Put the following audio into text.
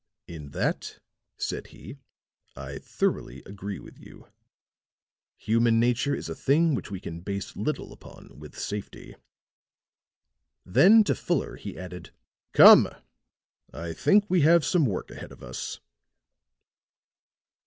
"In that," said he, "I thoroughly agree with you. Human nature is a thing which we can base little upon with safety." Then to Fuller he added: "Come! I think we have some work ahead of us."